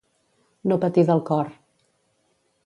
No patir del cor.